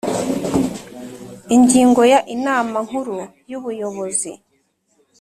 Ingingo ya inama nkuru y ubuyobozi